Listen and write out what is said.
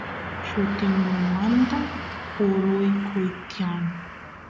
llutingumanta uraykuy tiyan